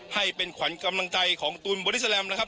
ให้เป็นขวัญกำลังใจของตูนบอดี้แลมนะครับ